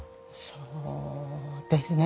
そうですね。